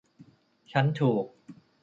ฉันถูก